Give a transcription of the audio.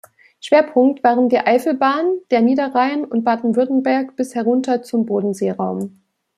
Schwerpunkt waren die Eifelbahn, der Niederrhein und Baden-Württemberg bis herunter zum Bodenseeraum.